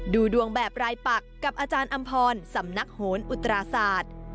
ดูดวงแบบรายปักกับอาจารย์อำพรสำนักโหนอุตราศาสตร์